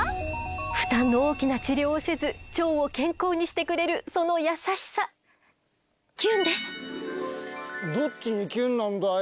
負担の大きな治療をせず腸を健康にしてくれるその優しさどっちにキュンなんだよ？